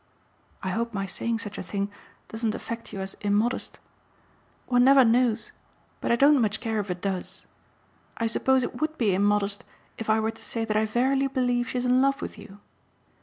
I hope my saying such a thing doesn't affect you as 'immodest.' One never knows but I don't much care if it does. I suppose it WOULD be immodest if I were to say that I verily believe she's in love with you.